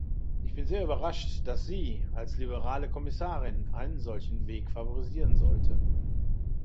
Ich bin sehr überrascht, dass sie, als liberale Kommissarin, einen solchen Weg favorisieren sollte.